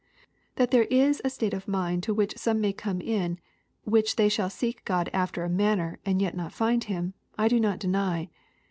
That there is a state of mind to which some may come in which they shall seek G od after a manner, and yet not find Him, I do not deny.